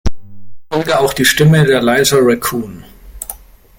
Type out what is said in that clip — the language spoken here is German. Folge auch die Stimme der "Lisa Raccoon".